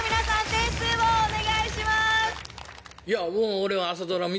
点数をお願いします。